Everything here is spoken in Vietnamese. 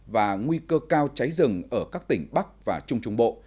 và nguy cơ cao cháy rừng ở các tỉnh bắc và trung trung bộ